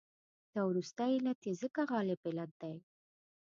دا وروستی علت یې ځکه غالب علت دی.